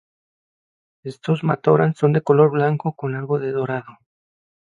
Estos matoran son de color blanco con algo de dorado.